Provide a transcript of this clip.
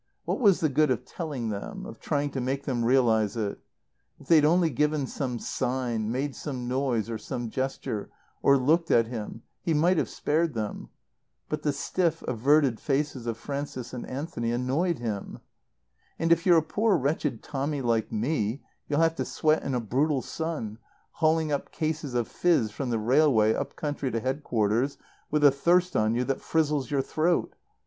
What was the good of telling them, of trying to make them realize it? If they'd only given some sign, made some noise or some gesture, or looked at him, he might have spared them. But the stiff, averted faces of Frances and Anthony annoyed him. "And if you're a poor wretched Tommy like me, you'll have to sweat in a brutal sun, hauling up cases of fizz from the railway up country to Headquarters, with a thirst on you that frizzles your throat.